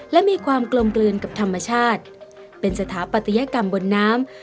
และมีความกลมกลืนกับธรรมชาติเป็นสถาปัตยกรรมบนน้ำ